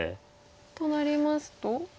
となりますと？